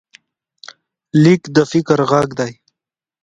لیک د فکر غږ دی.